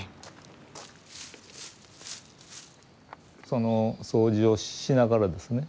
その掃除をしながらですね